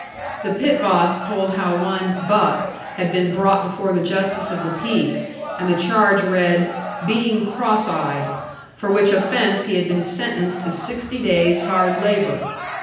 The pit boss told how one "buck" had been brought before the justice of the peace, and the charge read, "being cross eyed"; for which offence he had been sentenced to sixty days' hard labour.